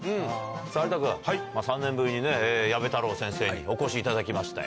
さあ、有田君、３年ぶりにね、矢部太郎先生にお越しいただきましたよ。